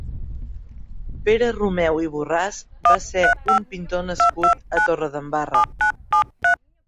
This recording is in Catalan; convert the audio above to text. Pere Romeu i Borràs va ser un pintor nascut a Torredembarra.